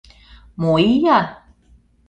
Мо ия?